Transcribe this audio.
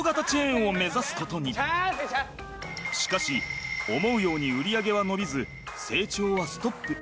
しかし思うように売り上げは伸びず成長はストップ。